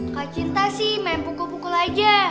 kalau cinta sih main pukul pukul aja